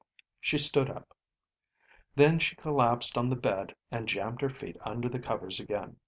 She stood up. Then she collapsed on the bed and jammed her feet under the covers again.